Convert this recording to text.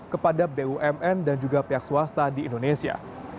kepada bumn dan juga pihak swasta di indonesia